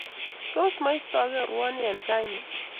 Tos moistokei urwoni eng tainyu?